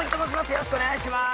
よろしくお願いします